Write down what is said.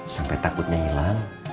sampai takutnya hilang